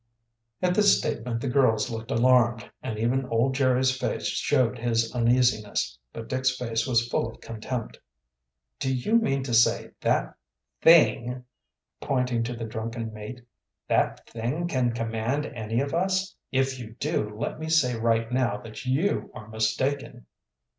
At this statement the girls looked alarmed, and even old Jerry's face showed his uneasiness. But Dick's face was full of contempt. "Do you mean to say that thing " pointing to the drunken mate " that thing can command any of us? If you do, let me say right now that you are mistaken."